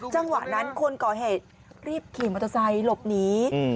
จังหวะนั้นคนก่อเหตุรีบขี่มอเตอร์ไซค์หลบหนี